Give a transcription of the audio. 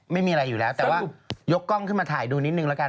ไม่มีอะไรอยู่แล้วแต่ว่ายกกล้องขึ้นมาถ่ายดูนิดนึงแล้วกัน